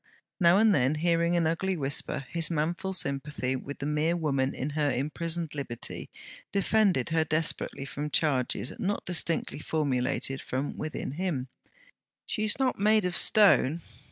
Now and then, hearing an ugly whisper, his manful sympathy with the mere woman in her imprisoned liberty, defended her desperately from charges not distinctly formulated within him: 'She's not made of stone.'